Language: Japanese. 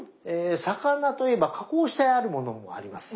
魚といえば加工してあるものもあります。